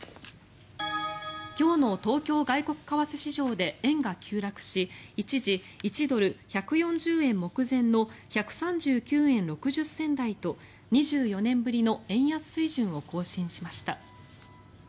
今日の東京外国為替市場で円が急落し一時、１ドル＝１４０円目前の１３９円６０銭台と２４年ぶりの円安水準を更新しました。